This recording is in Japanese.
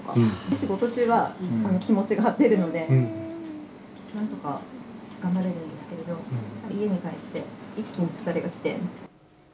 仕事中は気持ちが張ってるので、なんとか頑張れるんですけれども、やっぱり家に帰って、一気に疲れがきて。